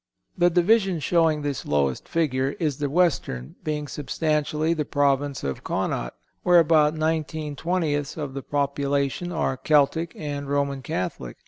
The division showing this lowest figure is the western, being substantially the Province of Connaught, where about nineteen twentieths of the population are Celtic and Roman Catholic.